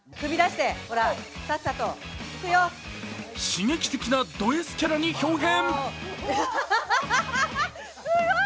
刺激的なドＳキャラにひょう変。